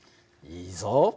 いいぞ。